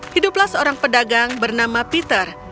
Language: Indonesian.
hiduplah seorang pedagang bernama peter